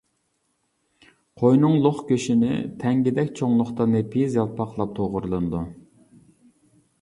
قوينىڭ لوق گۆشىنى تەڭگىدەك چوڭلۇقتا نېپىز يالپاقلاپ توغرىلىنىدۇ.